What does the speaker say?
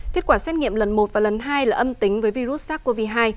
kết quả xét nghiệm lần một và lần hai là âm tính với virus sars cov hai